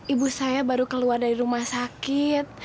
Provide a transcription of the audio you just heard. ibu saya baru keluar dari rumah sakit